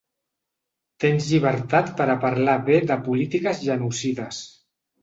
Tens llibertat per a parlar bé de polítiques genocides.